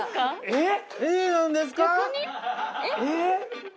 えっ！？